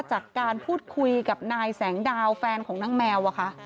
จากการพูดคุยกับนายแสงดาวแฟนของนางแมวอะค่ะ